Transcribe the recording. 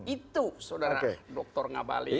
itu sodara dokter ngabalit